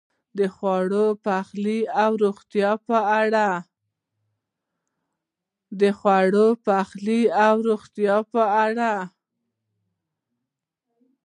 د خوړو، پخلی او روغتیا په اړه: